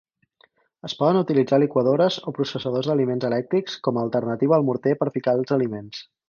Es poden utilitzar liquadores o processadors d'aliments elèctrics com a alternativa al morter per picar els aliments.